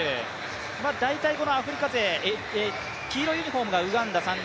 大体このアフリカ勢、黄色いユニフォームがウガンダ３人。